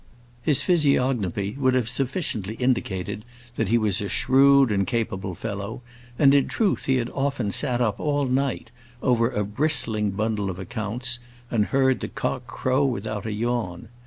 His physiognomy would have sufficiently indicated that he was a shrewd and capable fellow, and in truth he had often sat up all night over a bristling bundle of accounts, and heard the cock crow without a yawn.